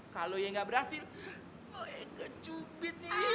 kalau eka gak berhasil eka cubit nih